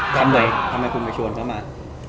ทำไมคุณไปชวนเขามา